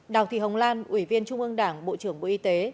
đào thị hồng lan ủy viên trung ương đảng bộ trưởng bộ y tế